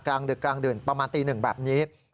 กลางดึกกลางดื่นประมาณตีหนึ่งแบบนี้